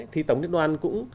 thì tổng liên đoàn cũng